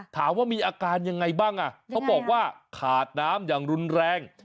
ถามว่ามีอาการยังไงบ้างอ่ะเขาบอกว่าขาดน้ำอย่างรุนแรง